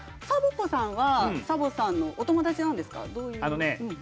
サボ子さんはサボさんのお友達なんですか？